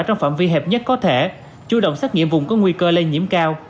trong phạm vi hẹp nhất có thể chú động xét nghiệm vùng có nguy cơ lây nhiễm cao